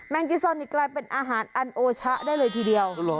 งจิซอนนี่กลายเป็นอาหารอันโอชะได้เลยทีเดียว